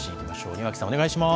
庭木さん、お願いします。